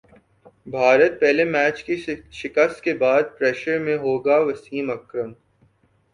بھارت پہلے میچ کی شکست کے بعد پریشر میں ہوگاوسیم اکرم